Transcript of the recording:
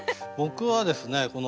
僕はですね